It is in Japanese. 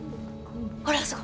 ほらあそこ。